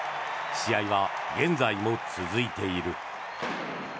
試合は現在も続いている。